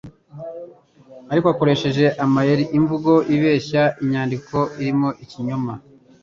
ariko akoresheje amayeri, imvugo ibeshya, inyandiko irimo ikinyoma,